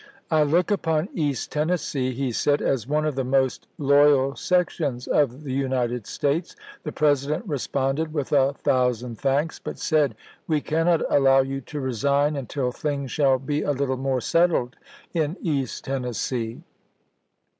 " I look upon w. East Tennessee," he said, " as one of the most voi. xxx., Part III. loyal sections of the United States." The President p 523. " responded with a thousand thanks ; but said, Lincoln to " We cannot allow you to resign until things shall ^s^°!nl^' be a little more settled in East Tennessee."